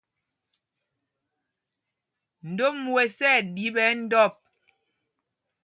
Ndom wes ɛ ɗi ɓɛ ndɔ̂p.